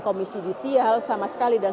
komisi judisial sama sekali dan